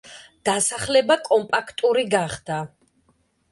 დასახლება კომპაქტური გახდა.